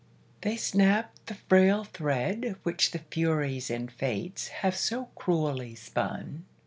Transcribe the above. They snap the frail thread which the Furies And Fates have so cruelly spun.